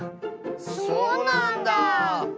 そうなんだ